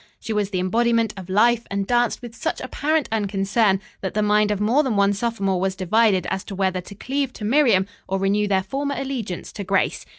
She was the embodiment of life and danced with such apparent unconcern that the mind of more than one sophomore was divided as to whether to cleave to Miriam or renew their former allegiance to Grace.